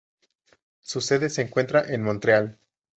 Su sede se encuentra en Montreal.